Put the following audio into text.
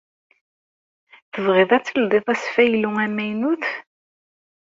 Tebɣiḍ ad teldiḍ asfaylu amaynut?